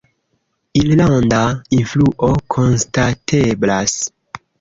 Irlanda influo konstateblas.